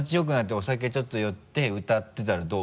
お酒ちょっと酔って歌ってたらどう？